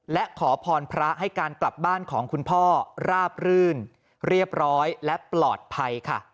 และขอพรพระให้การกลับบ้านของคุณพ่อราบรื่นเรียบร้อยและปลอดภัยค่ะ